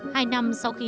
hai năm sau khi